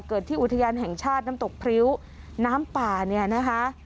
ที่อุทยานแห่งชาติน้ำตกพริ้วน้ำป่าเนี่ยนะคะ